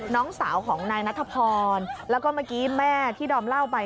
น้องสาวของนายณฑพรแล้วก็แม่ที่ดอมเล่าไป